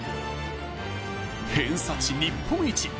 偏差値日本一。